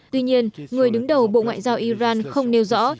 tuy nhiên người đứng đầu bộ ngoại giao iran không nêu rõ